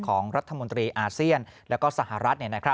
ของรัฐมนตรีอาเซียนและสหรัฐ